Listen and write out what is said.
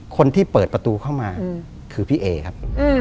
คนที่เปิดประตูเข้ามาคือพี่เอครับ